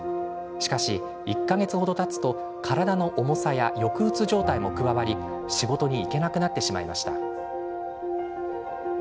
しかし、１か月程たつと体の重さや抑うつ状態も加わり仕事に行けなくなってしまいました。